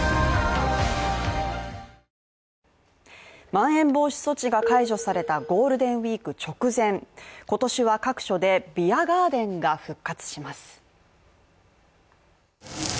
まん延防止措置が解除されたゴールデンウィーク直前、今年は各所でビアガーデンが復活します。